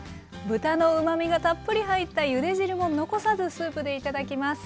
豚のうまみがたっぷり入ったゆで汁も残さずスープで頂きます。